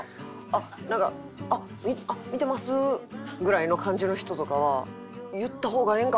「あっ見てます」ぐらいの感じの人とかは言った方がええんか？